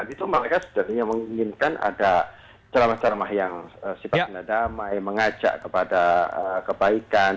itu mereka sebenarnya menginginkan ada ceramah ceramah yang sifatnya damai mengajak kepada kebaikan